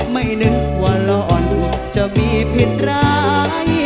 ไม่นึกว่าหล่อนจะมีผิดร้าย